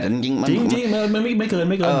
จริงไม่เกิน